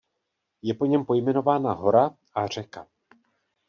Je po něm pojmenována hora a řeka.